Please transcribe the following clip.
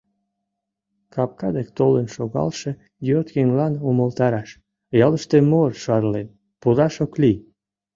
Капка дек толын шогалше йот еҥлан умылтараш: ялыште мор шарлен, пураш ок лий!